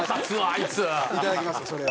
いただきましたそれを。